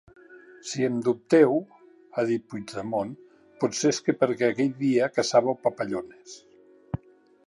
Si en dubteu –ha dit Puigdemont– potser és perquè aquell dia caçàveu papallones.